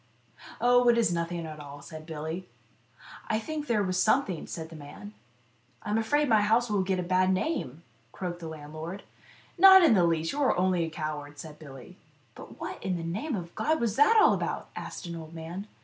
" Oh, it is nothing at all," said Billy. " I should think there was something," said the man. Billy Duffy and the Devil. " I am afraid my house will get a bad name," croaked the landlord. " Not in the least ! You are only a coward," said Billy. "But in the name of God, what is it all about?" asked an old man.